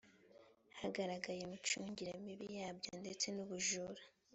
hagaragaye imicungire mibi yabyo ndetse n ubujura